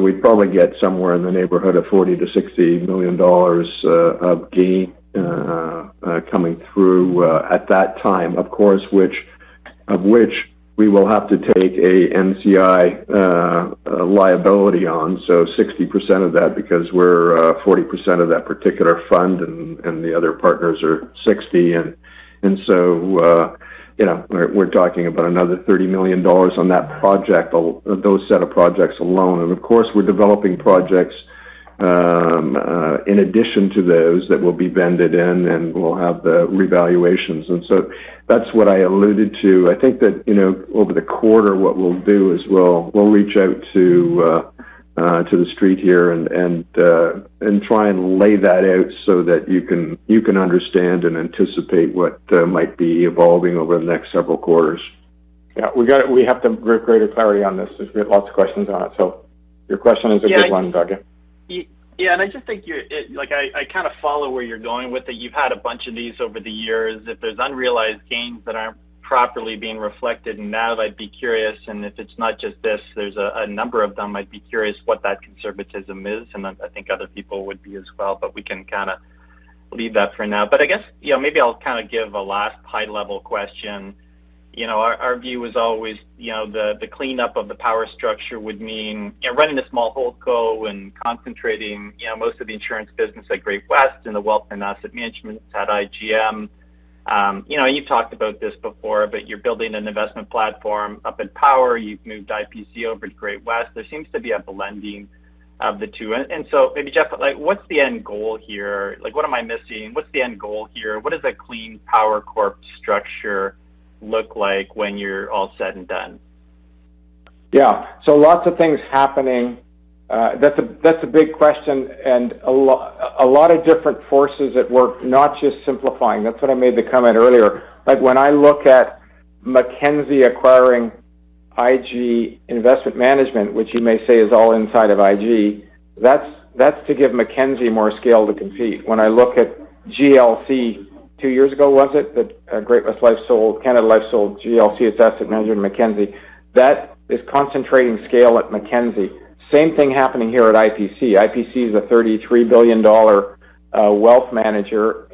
we'd probably get somewhere in the neighborhood of 40 million-60 million dollars of gain coming through at that time, of course, of which we will have to take a NCI liability on. 60% of that because we're 40% of that particular fund and the other partners are 60. You know, we're talking about another $30 million on that project, or those set of projects alone. Of course, we're developing projects in addition to those that will be vended in, and we'll have the revaluations. That's what I alluded to. I think that, you know, over the quarter, what we'll do is we'll reach out to the street here and try and lay that out so that you can understand and anticipate what might be evolving over the next several quarters. Yeah. We have to have greater clarity on this because we have lots of questions on it. Your question is a good one, Doug. Yeah. I just think, like, I kind of follow where you're going with it. You've had a bunch of these over the years. If there's unrealized gains that aren't properly being reflected now, I'd be curious. If it's not just this, there's a number of them, I'd be curious what that conservatism is, and I think other people would be as well. We can kind of leave that for now. I guess, you know, maybe I'll kind of give a last high-level question. You know, our view is always, you know, the cleanup of the Power structure would mean running the small whole co and concentrating, you know, most of the insurance business at Great-West and the wealth and asset management at IGM. You know, you've talked about this before, but you're building an investment platform up in Power. You've moved IPC over to Great-West. There seems to be a blending of the two. Maybe, Jeff, like, what's the end goal here? Like, what am I missing? What's the end goal here? What does a clean Power Corp structure look like when you're all said and done? Yeah. Lots of things happening. That's a, that's a big question. A lot of different forces at work, not just simplifying. That's what I made the comment earlier. When I look at Mackenzie acquiring IG Investment Management, which you may say is all inside of IG, that's to give Mackenzie more scale to compete. When I look at GLC two years ago, was it, that, Great-West Life sold Canada Life sold GLC Asset Management to Mackenzie. That is concentrating scale at Mackenzie. Same thing happening here at IPC. IPC is a 33 billion dollar wealth manager,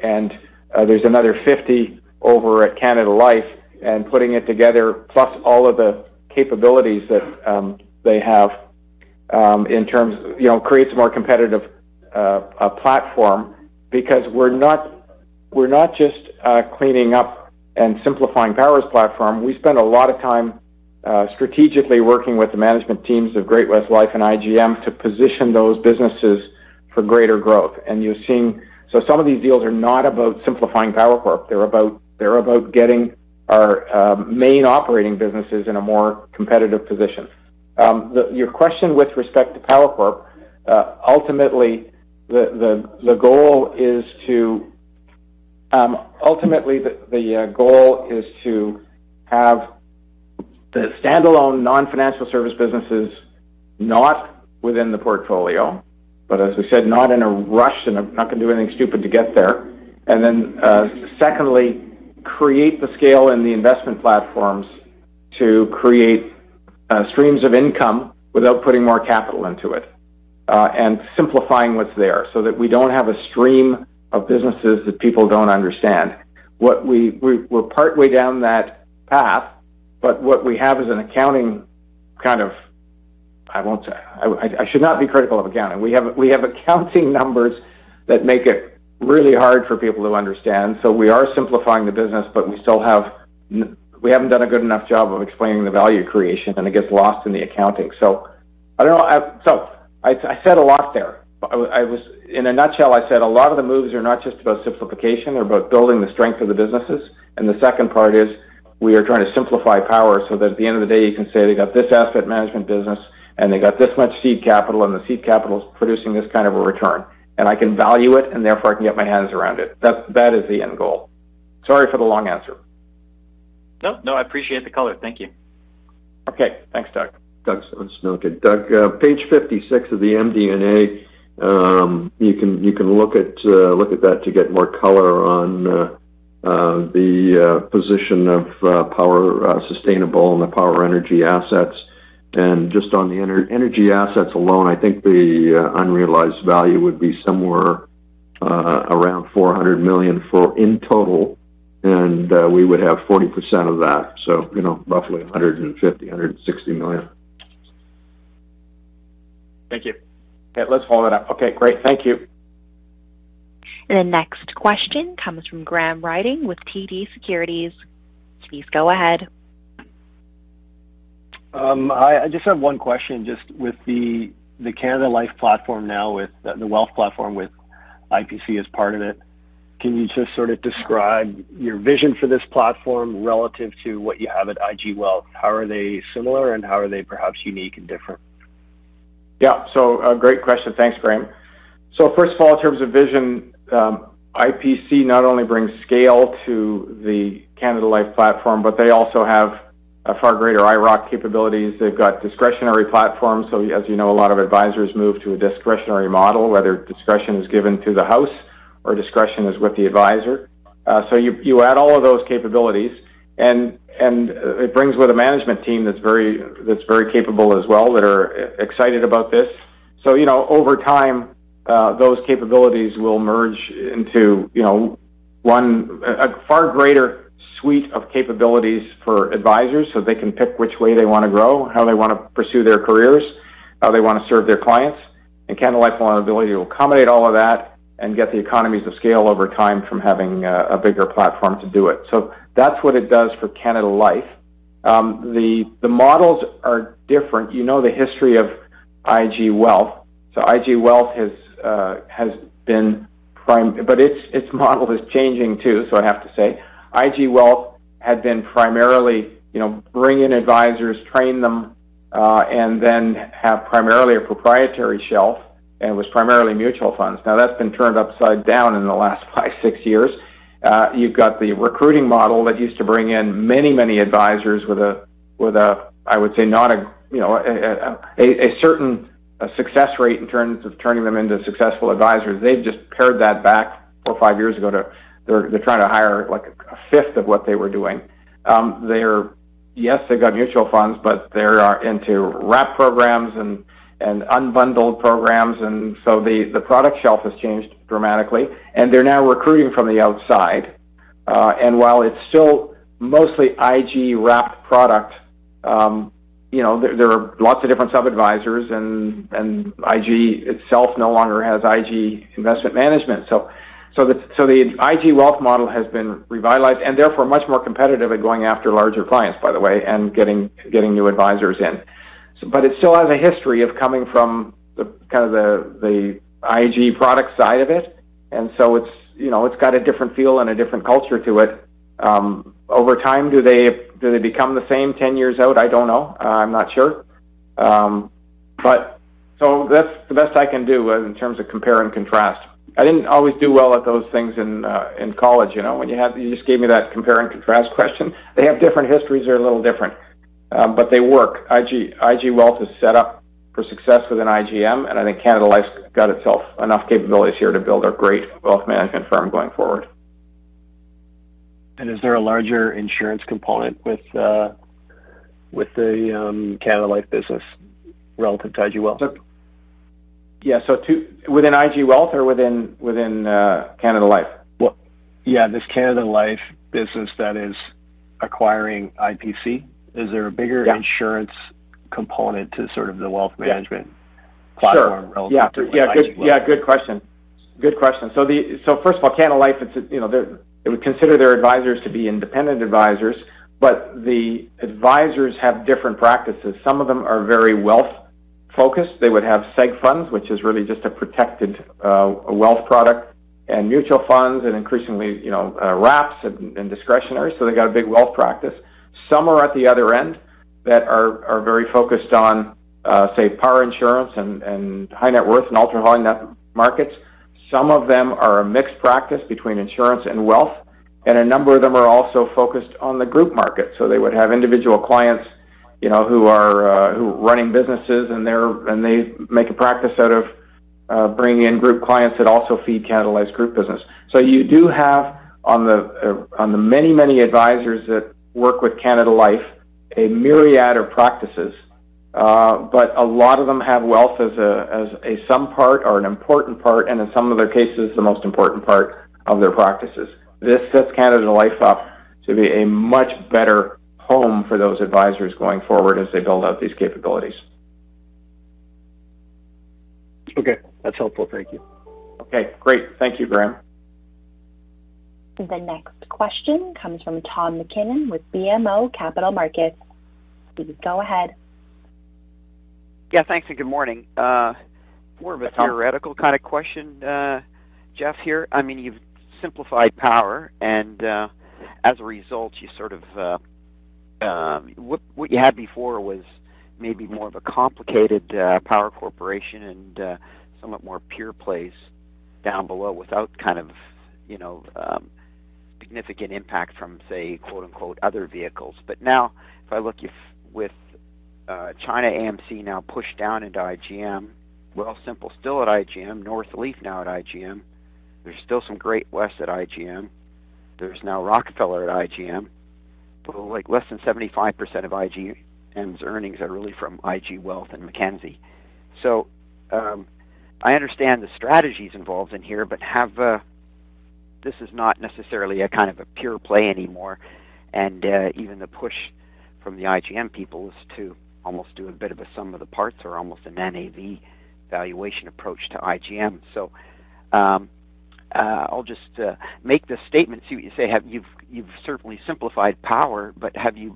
there's another 50 billion over at Canada Life. Putting it together, plus all of the capabilities that they have in terms, you know, creates a more competitive platform because we're not just cleaning up and simplifying Power's platform. We spend a lot of time strategically working with the management teams of Great-West Life and IGM to position those businesses for greater growth. You're seeing. Some of these deals are not about simplifying Power Corp. They're about getting our main operating businesses in a more competitive position. Your question with respect to Power Corp, ultimately, the goal is to have the standalone non-financial service businesses not within the portfolio. As we said, not in a rush, and I'm not going to do anything stupid to get there. Then, secondly, create the scale in the investment platforms to create streams of income without putting more capital into it and simplifying what's there so that we don't have a stream of businesses that people don't understand. We're partway down that path, but what we have is an accounting kind of. I won't say. I should not be critical of accounting. We have accounting numbers that make it really hard for people to understand. We are simplifying the business, but we still haven't done a good enough job of explaining the value creation, and it gets lost in the accounting. I don't know. I said a lot there. In a nutshell, I said a lot of the moves are not just about simplification. They're about building the strength of the businesses. The second part is we are trying to simplify Power so that at the end of the day, you can say they got this asset management business, and they got this much seed capital, and the seed capital is producing this kind of a return. I can value it, and therefore, I can get my hands around it. That is the end goal. Sorry for the long answer. No, no, I appreciate the color. Thank you. Okay. Thanks, Doug. Doug, it's no good. Doug, page 56 of the MD&A, you can look at that to get more color on the position of Power Sustainable and the Power energy assets. Just on the energy assets alone, I think the unrealized value would be somewhere around 400 million in total, and we would have 40% of that. You know, roughly 150 million-160 million. Thank you. Yeah. Let's follow that up. Okay, great. Thank you. The next question comes from Graham Ryding with TD Securities. Please go ahead. I just have one question just with the Canada Life platform now with the wealth platform with IPC as part of it. Can you just sort of describe your vision for this platform relative to what you have at IG Wealth? How are they similar, and how are they perhaps unique and different? A great question. Thanks, Graham. First of all, in terms of vision, IPC not only brings scale to the Canada Life platform, but they also have a far greater IIROC capabilities. They've got discretionary platforms. As you know, a lot of advisors move to a discretionary model, whether discretion is given to the house or discretion is with the advisor. So you add all of those capabilities, and it brings with a management team that's very capable as well, that are excited about this. You know, over time, those capabilities will merge into, you know, a far greater suite of capabilities for advisors so they can pick which way they wanna grow, how they want to pursue their careers, how they want to serve their clients. Canada Life will have an ability to accommodate all of that and get the economies of scale over time from having a bigger platform to do it. That's what it does for Canada Life. The models are different. You know the history of IG Wealth. Its model is changing too, so I have to say. IG Wealth had been primarily, you know, bring in advisors, train them, and then have primarily a proprietary shelf, and it was primarily mutual funds. That's been turned upside down in the last five, six years. You've got the recruiting model that used to bring in many advisors with a, I would say, not a, you know, a certain success rate in terms of turning them into successful advisors. They've just pared that back four, five years ago to they're trying to hire, like, a fifth of what they were doing. Yes, they've got mutual funds, but they are into wrap programs and unbundled programs, the product shelf has changed dramatically, they're now recruiting from the outside. While it's still mostly IG wrapped product, you know, there are lots of different sub-advisors, and IG itself no longer has IG Investment Management. The IG Wealth model has been revitalized and therefore much more competitive at going after larger clients, by the way, and getting new advisors in. It still has a history of coming from the kind of the IG product side of it's, you know, it's got a different feel and a different culture to it. Over time, do they become the same 10 years out? I don't know. I'm not sure. That's the best I can do in terms of compare and contrast. I didn't always do well at those things in college, you know. You just gave me that compare and contrast question. They have different histories. They're a little different, but they work. IG Wealth is set up for success within IGM, and I think Canada Life's got itself enough capabilities here to build a great wealth management firm going forward. Is there a larger insurance component with the Canada Life business relative to IG Wealth? Yeah. Within IG Wealth or within Canada Life? Well, yeah, this Canada Life business that is acquiring IPC. Is there a bigger- Yeah. insurance component to sort of the wealth management. Sure. -platform relative to IG Wealth? Yeah. Good question. Good question. First of all, Canada Life, it's a, you know, They would consider their advisors to be independent advisors, but the advisors have different practices. Some of them are very wealth-focused. They would have seg funds, which is really just a protected wealth product, and mutual funds and increasingly, you know, wraps and discretionary, so they've got a big wealth practice. Some are at the other end that are very focused on, say, power insurance and high net worth and ultra high net markets. Some of them are a mixed practice between insurance and wealth, and a number of them are also focused on the group market. They would have individual clients, you know, who are running businesses, and they make a practice out of bringing in group clients that also feed Canada Life's group business. You do have on the many, many advisors that work with Canada Life, a myriad of practices. A lot of them have wealth as a some part or an important part, and in some of their cases, the most important part of their practices. This sets Canada Life up to be a much better home for those advisors going forward as they build out these capabilities. Okay. That's helpful. Thank you. Okay. Great. Thank you, Graham. The next question comes from Tom MacKinnon with BMO Capital Markets. Please go ahead. Yeah, thanks. Good morning. More of a theoretical kind of question, Jeff, here. I mean, you've simplified Power, as a result... What you had before was maybe more of a complicated Power Corporation, somewhat more pure plays down below without kind of, you know, significant impact from, say, quote-unquote, "other vehicles." Now, if I look, if with ChinaAMC now pushed down into IGM, Wealthsimple still at IGM, Northleaf now at IGM. There's still some Great West at IGM. There's now Rockefeller at IGM. Like less than 75% of IGM's earnings are really from IG Wealth and Mackenzie. I understand the strategies involved in here, have. This is not necessarily a kind of a pure play anymore, and even the push from the IGM people is to almost do a bit of a sum of the parts or almost an NAV valuation approach to IGM. I'll just make the statement. You've certainly simplified Power, but have you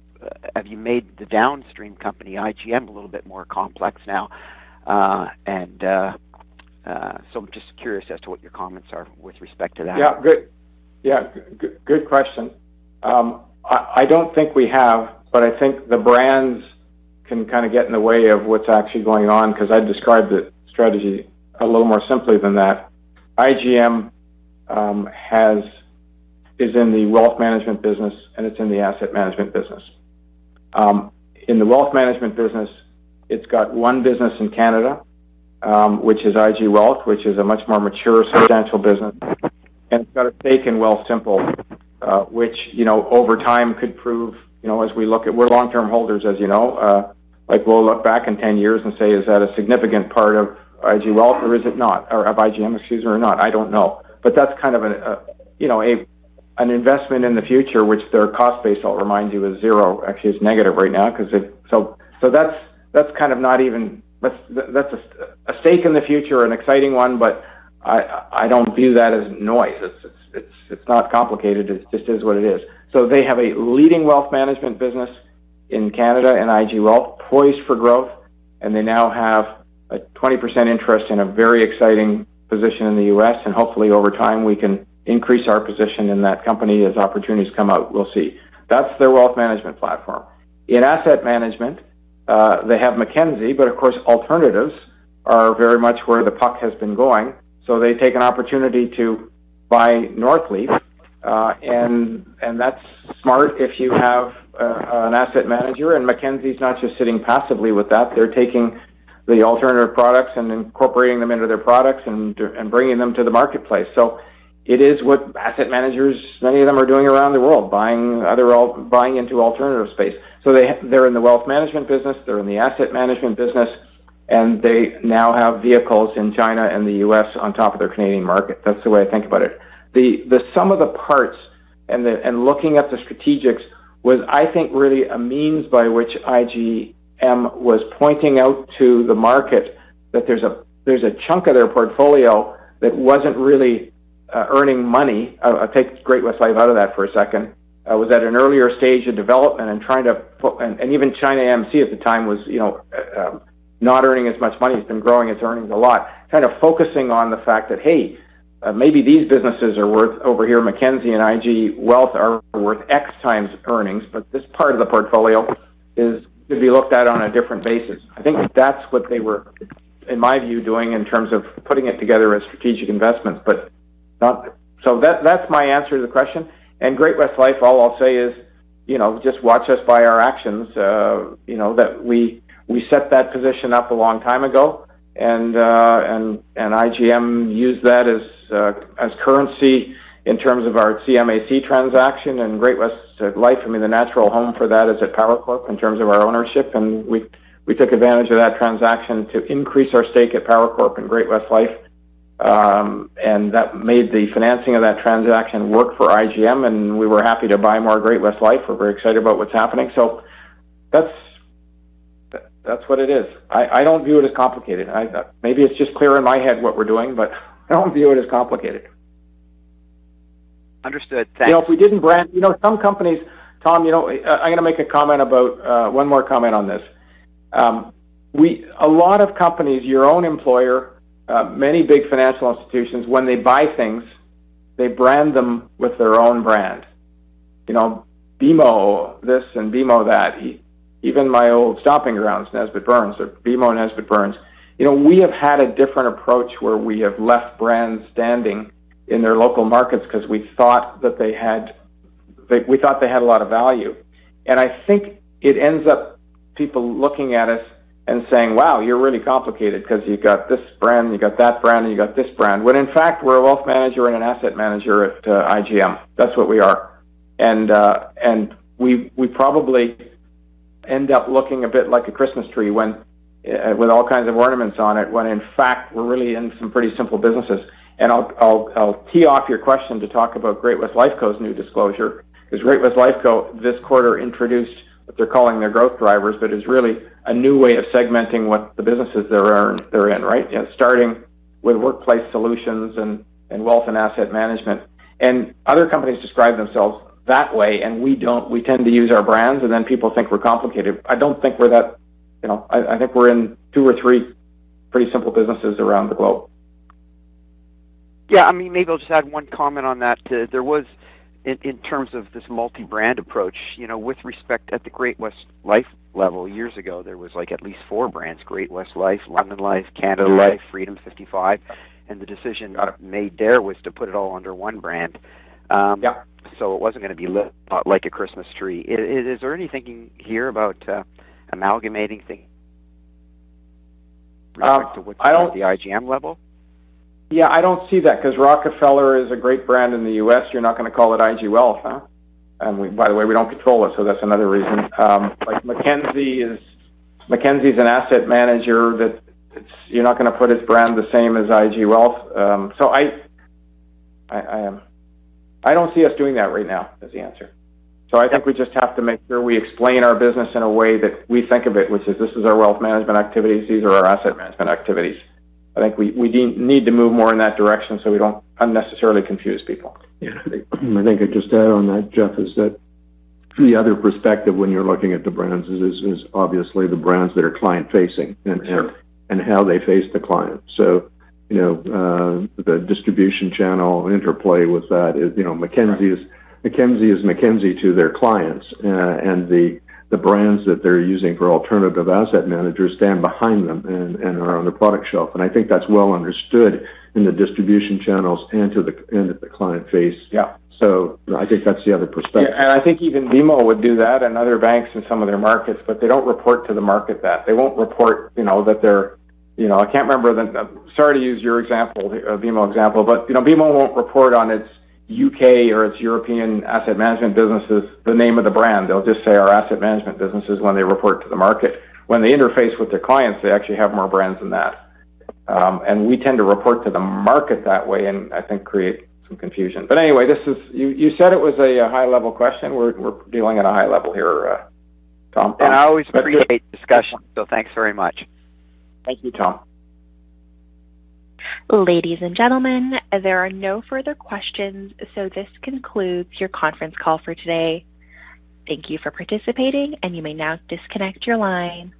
made the downstream company IGM a little bit more complex now? I'm just curious as to what your comments are with respect to that. Good. Good question. I don't think we have, but I think the brands can kind of get in the way of what's actually going on because I'd describe the strategy a little more simply than that. IGM is in the wealth management business, and it's in the asset management business. In the wealth management business, it's got one business in Canada, which is IG Wealth, which is a much more mature substantial business. It's got a stake in Wealthsimple, which, you know, over time could prove, you know, as we look at we're long-term holders, as you know, we'll look back in 10 years and say, "Is that a significant part of IG Wealth or is it not? Or of IGM issues or not?" I don't know. That's kind of, you know, an investment in the future, which their cost base, I'll remind you, is zero. Actually, it's negative right now because that's kind of not even. That's a stake in the future, an exciting one, but I don't view that as noise. It's not complicated. It just is what it is. They have a leading wealth management business in Canada and IG Wealth poised for growth, and they now have a 20% interest in a very exciting position in the U.S. Hopefully, over time, we can increase our position in that company as opportunities come out. We'll see. That's their wealth management platform. In asset management, they have Mackenzie, but of course, alternatives are very much where the puck has been going, so they take an opportunity to buy Northleaf. That's smart if you have an asset manager, and Mackenzie's not just sitting passively with that. They're taking the alternative products and incorporating them into their products and bringing them to the marketplace. It is what asset managers, many of them are doing around the world, buying into alternative space. They're in the wealth management business, they're in the asset management business, and they now have vehicles in China and the U.S. on top of their Canadian market. That's the way I think about it. The sum of the parts and looking at the strategics was, I think, really a means by which IGM was pointing out to the market that there's a chunk of their portfolio that wasn't really earning money. Take Great-West Life out of that for a second. was at an earlier stage of development and trying to and even ChinaAMC at the time was, you know, not earning as much money. It's been growing, it's earnings a lot, kind of focusing on the fact that, "Hey, maybe these businesses are worth over here, Mackenzie and IG Wealth are worth X times earnings, but this part of the portfolio is to be looked at on a different basis." I think that's what they were, in my view, doing in terms of putting it together as strategic investments, but not... That's my answer to the question. Great-West Life, all I'll say is, you know, just watch us by our actions. you know, that we set that position up a long time ago. IGM used that as currency in terms of our CMAC transaction. Great-West Life, I mean, the natural home for that is at Power Corp in terms of our ownership. We took advantage of that transaction to increase our stake at Power Corp and Great-West Life. That made the financing of that transaction work for IGM, and we were happy to buy more Great-West Life. We're very excited about what's happening. That's what it is. I don't view it as complicated. Maybe it's just clear in my head what we're doing, but I don't view it as complicated. Understood. Thanks. You know, if we didn't brand. You know, some companies, Tom, you know, I'm going to make a comment about one more comment on this. A lot of companies, your own employer, many big financial institutions, when they buy things, they brand them with their own brand. You know, BMO this and BMO that. Even my old stomping grounds, Nesbitt Burns or BMO Nesbitt Burns. You know, we have had a different approach where we have left brands standing in their local markets because we thought that they had. We thought they had a lot of value. I think it ends up people looking at us and saying, "Wow, you're really complicated because you've got this brand, you've got that brand, and you've got this brand." When in fact, we're a wealth manager and an asset manager at IGM. That's what we are. We probably end up looking a bit like a Christmas tree when with all kinds of ornaments on it, when in fact, we're really in some pretty simple businesses. I'll tee off your question to talk about Great-West Lifeco's new disclosure, because Great-West Lifeco this quarter introduced what they're calling their growth drivers, but is really a new way of segmenting what the businesses they're in, right? Starting with workplace solutions and wealth and asset management. Other companies describe themselves that way, and we don't. We tend to use our brands, then people think we're complicated. I don't think we're that, you know. I think we're in two or three pretty simple businesses around the globe. Yeah. I mean, maybe I'll just add one comment on that. There was, in terms of this multi-brand approach, you know, with respect at the Great-West Life level, years ago, there was like at least four brands, Great-West Life, London Life, Canada Life, Freedom 55. The decision made there was to put it all under one brand. Yeah. It wasn't gonna be like a Christmas tree. Is there anything you hear about amalgamating things-? Um, I don't- at the IGM level? Yeah, I don't see that because Rockefeller is a great brand in the U.S.. You're not gonna call it IG Wealth, huh? By the way, we don't control it, so that's another reason. Like Mackenzie is an asset manager that you're not gonna put its brand the same as IG Wealth. I don't see us doing that right now, is the answer. I think we just have to make sure we explain our business in a way that we think of it, which is this is our wealth management activities, these are our asset management activities. I think we need to move more in that direction, so we don't unnecessarily confuse people. I think I'd just add on that, Jeff, is that the other perspective when you're looking at the brands is obviously the brands that are client-facing and- Sure. How they face the client. You know, the distribution channel interplay with that is, you know, Mackenzie is Mackenzie to their clients. The brands that they're using for alternative asset managers stand behind them and are on the product shelf. I think that's well understood in the distribution channels and to the, and at the client face. Yeah. I think that's the other perspective. Yeah. I think even BMO would do that and other banks in some of their markets, they don't report to the market that. They won't report, you know, BMO won't report on its U.K. or its European asset management businesses, the name of the brand. They'll just say, "Our asset management businesses," when they report to the market. When they interface with their clients, they actually have more brands than that. We tend to report to the market that way and I think create some confusion. Anyway, you said it was a high-level question. We're dealing at a high level here, Tom. I always appreciate discussion, so thanks very much. Thank you, Tom. Ladies and gentlemen, there are no further questions, so this concludes your conference call for today. Thank you for participating, and you may now disconnect your line.